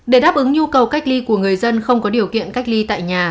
để đáp ứng nhu cầu cách ly của người dân không có điều kiện cách ly tại nhà